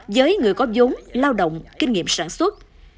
với người có giống lao động kinh nghiệm sản xuất